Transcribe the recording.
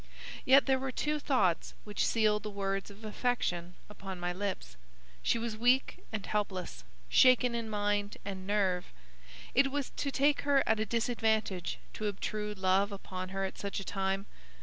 Yet there were two thoughts which sealed the words of affection upon my lips. She was weak and helpless, shaken in mind and nerve. It was to take her at a disadvantage to obtrude love upon her at such a time.